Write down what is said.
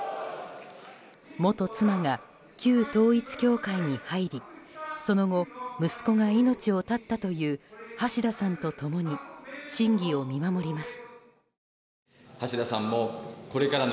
元妻が旧統一教会に入りその後、息子が命を絶ったという橋田さんと共に審議を見守ります。